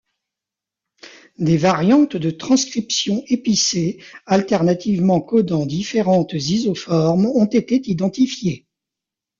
Des variantes de transcription épissées alternativement codant différentes isoformes ont été identifiées.